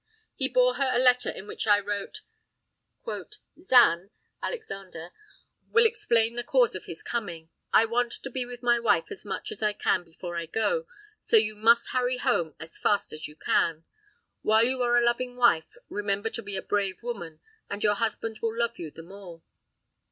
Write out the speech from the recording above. He bore her a letter in which I wrote: "Zan [Alexander] will explain the cause of his coming. I want to be with my wife as much as I can before I go, so you must hurry home as fast as you can.... While you are a loving wife, remember to be a brave woman and your husband will love you the more."